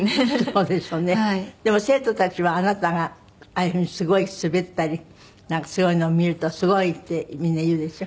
でも生徒たちはあなたがああいうふうにすごい滑ったりなんかすごいのを見ると「すごい」ってみんな言うでしょ？